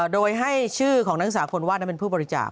โดยให้ชื่อของนักศึกษาคนวาดนั้นเป็นผู้บริจาค